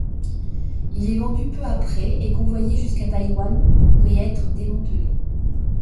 Il est vendu peu après et convoyé jusqu'à Taïwan pour y être démantelé.